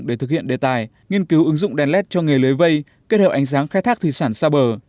để thực hiện đề tài nghiên cứu ứng dụng đèn led cho nghề lưới vây kết hợp ánh sáng khai thác thủy sản xa bờ